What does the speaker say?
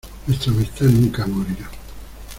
Nuestra amistad nunca morirá.